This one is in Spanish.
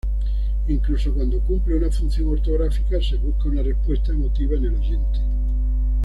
Incluso cuando cumple una función ortográfica se busca una respuesta emotiva en el oyente.